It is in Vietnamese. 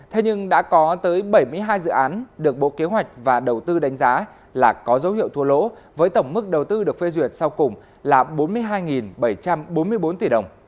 thế nhưng đã có tới bảy mươi hai dự án được bộ kế hoạch và đầu tư đánh giá là có dấu hiệu thua lỗ với tổng mức đầu tư được phê duyệt sau cùng là bốn mươi hai bảy trăm bốn mươi bốn tỷ đồng